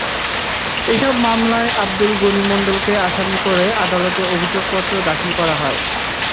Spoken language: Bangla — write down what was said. এসব মামলায় আবদুল গনি মণ্ডলকে আসামি করে আদালতে অভিযোগপত্র দাখিল করা হয়।